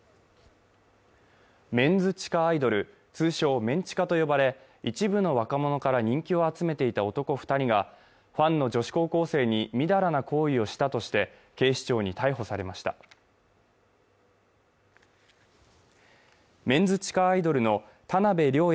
メンズ地下アイドル通称メン地下と呼ばれ一部の若者から人気を集めていた男二人がファンの女子高校生にみだらな行為をしたとして警視庁に逮捕されましたメンズ地下アイドルの田辺稜弥